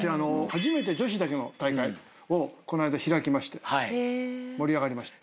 初めて女子だけの大会をこの間開きまして盛り上がりました。